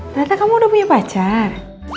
ternyata kamu udah punya pacar